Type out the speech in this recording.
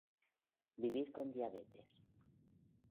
Vivir con diabetes